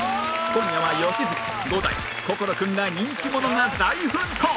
今夜は良純伍代心君ら人気者が大奮闘！